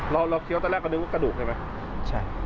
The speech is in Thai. เราเคี้ยวตั้งแต่แรกก็นึกว่ากระดูกใช่ไหมใช่